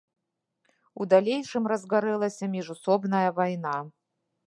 У далейшым разгарэлася міжусобная вайна.